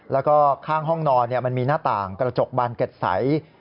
แล้วก็ข้างห้องนอนมันมีหน้าต่างกระจกบานเก็ตใส